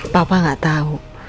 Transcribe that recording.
papa gak tau